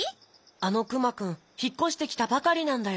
あのクマくんひっこしてきたばかりなんだよ。